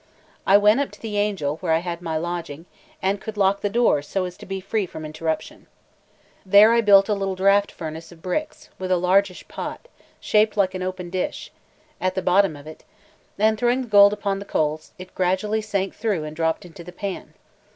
I went up to the Angel, where I had my lodging, and could lock the door so as to be free from interruption. There I built a little draught furnace of bricks, with a largish pot, shaped like an open dish, at the bottom of it; and throwing the gold upon the coals, it gradually sank through and dropped into the pan.